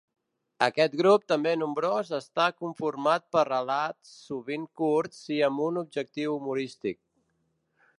Aquest grup, també nombrós, està conformat per relats sovint curts i amb un objectiu humorístic.